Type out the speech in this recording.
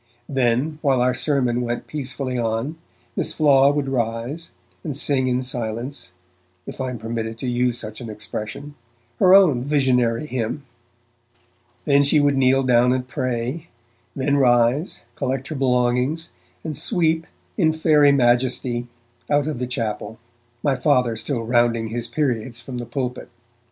Then, while our sermon went peacefully on, Miss Flaw would rise, and sing in silence (if I am permitted to use such an expression) her own visionary hymn; then she would kneel down and pray, then rise, collect her belongings, and sweep, in fairy majesty, out of the chapel, my Father still rounding his periods from the pulpit.